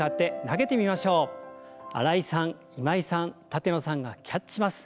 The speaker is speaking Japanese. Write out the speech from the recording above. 新井さん今井さん舘野さんがキャッチします。